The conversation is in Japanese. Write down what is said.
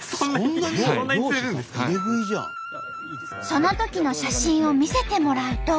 そのときの写真を見せてもらうと。